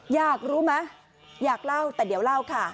อยากรู้ไหมอยากเล่าแต่เดี๋ยวเล่าค่ะ